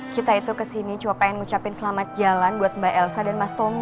kita itu kesini coba pengen ngucapin selamat jalan buat mbak elsa dan mas tommy